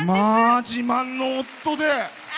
まあ、自慢の夫で！